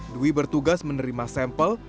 dwi bertugas menerima sampel